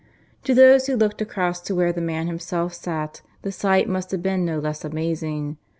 To those who looked across to where the man himself sat the sight must have been no less amazing.